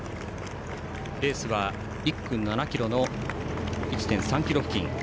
レースは１区７ｋｍの１．３ｋｍ付近。